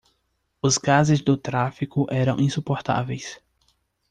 Os gases do tráfego eram insuportáveis.